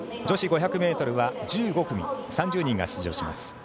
女子５００ｍは１５組３０人が出場します。